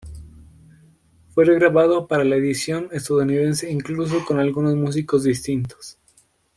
Fue re-grabado para la edición estadounidense, incluso con algunos músicos distintos.